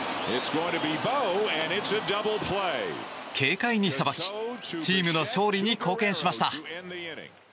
軽快にさばきチームの勝利に貢献しました。